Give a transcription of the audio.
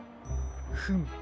フム。